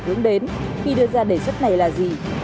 hướng đến khi đưa ra đề xuất này là gì